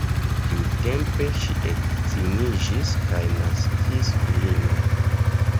Tiutempe ŝi edziniĝis kaj naskis filinon.